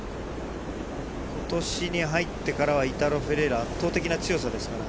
ことしに入ってからは、イタロ・フェレイラ、圧倒的な強さですから。